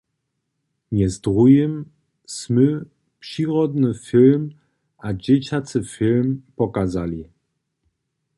Mjez druhim smy přirodny film a dźěćacy film pokazali.